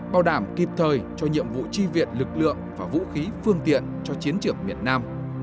bảo đảm kịp thời cho nhiệm vụ tri viện lực lượng và vũ khí phương tiện cho chiến trường miền nam